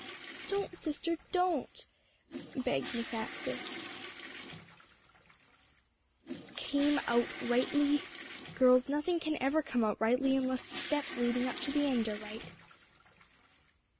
"Don't, sister, don't," begged Miss Anstice. "Came out rightly? Girls, nothing can ever come out rightly, unless the steps leading up to the end are right."